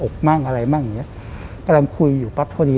กำลังคุยอยุ่ปรับพอดีพอดี